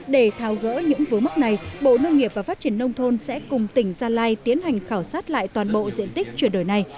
để thao gỡ những vướng mắc này bộ nông nghiệp và phát triển nông thôn sẽ cùng tỉnh gia lai tiến hành khảo sát lại toàn bộ diện tích chuyển đổi này